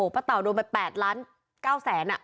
เต่าโดนไป๘ล้าน๙แสน